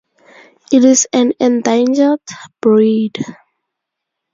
It is an endangered breed.